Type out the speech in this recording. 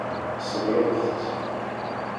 Ṣebbṛemt-tt.